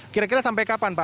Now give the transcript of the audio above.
kira kira sampai kapan pak